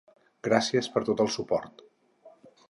Gràcies per tot el suport!